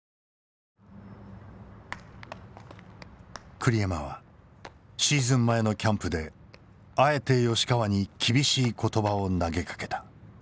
栗山はシーズン前のキャンプであえて吉川に厳しい言葉を投げかけた。